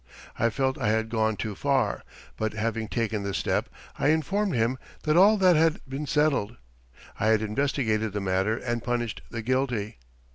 I felt I had gone too far, but having taken the step, I informed him that all that had been settled. I had investigated the matter and punished the guilty.